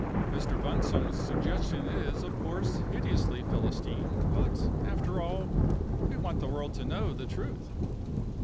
Mr. Bunsome's suggestion is, of course, hideously Philistine, but, after all, we want the world to know the truth."